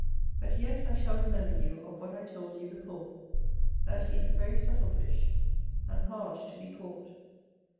But yet I shall remember you of what I told you before, that he is a very subtil fish, and hard to be caught.